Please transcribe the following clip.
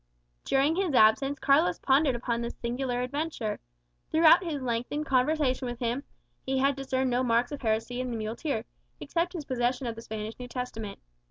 During his absence Carlos pondered upon this singular adventure. Throughout his lengthened conversation with him, he had discerned no marks of heresy in the muleteer, except his possession of the Spanish New Testament.